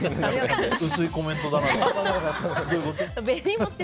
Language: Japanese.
薄いコメントだなって。